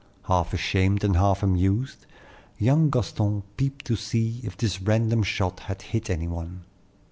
Half ashamed and half amused, young Gaston peeped to see if this random shot had hit any one.